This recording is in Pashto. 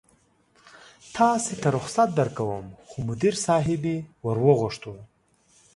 تاسې ته رخصت درکوم، خو مدیر صاحبې ور وغوښتو.